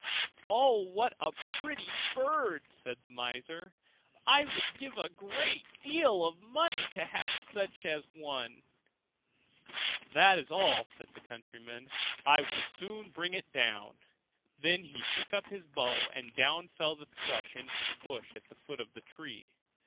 'Oh, what a pretty bird!' said the miser; 'I would give a great deal of money to have such a one.' 'If that's all,' said the countryman, 'I will soon bring it down.' Then he took up his bow, and down fell the thrush into the bushes at the foot of the tree.